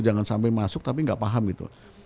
jangan sampai masuk tapi enggak paham gitu